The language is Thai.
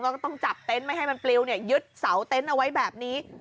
ก็ต้องจับเต็นต์ไม่ให้มันปลิวยึดเสาเต็นต์เอาไว้แบบนี้